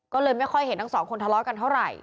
ก็เลยไม่ค่อยเห็นทั้งสองคนทะเลาะกันเท่าไหร่